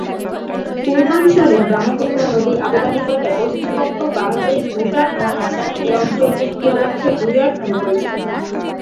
পূর্বাঞ্চলে ব্রহ্মপুত্র নদীর অববাহিকায় পশ্চিমবঙ্গ, বাংলাদেশ, ভুটান ও আসামে এ অঞ্চলটির কিয়দংশ ডুয়ার্স নামে পরিচিত।